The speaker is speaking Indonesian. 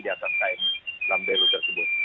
di atas km namberu tersebut